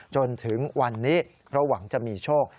จนถึงวันนี้เพราะหวังจะมีโชค